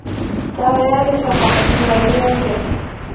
Sahuyo alishonga mhini wa lyembee.